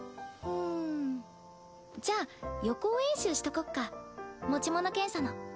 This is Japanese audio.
うんじゃあ予行演習しとこっか持ち物検査の。